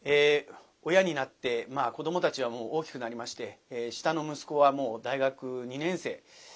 親になって子どもたちはもう大きくなりまして下の息子はもう大学２年生。